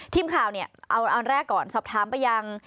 ทีมข่าวเนี่ยเอาอันแรกก่อนสอบถามไปยัง